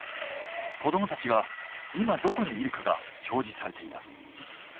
子どもたちが今どこにいるかが表示されています。